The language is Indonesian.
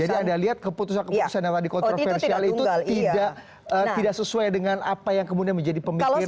jadi anda lihat keputusan keputusan yang tadi kontroversial itu tidak sesuai dengan apa yang kemudian menjadi pemikiran